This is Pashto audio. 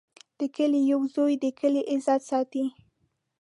د کلي یو زوی د کلي عزت ساتي.